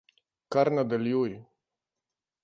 Kar nadaljuj.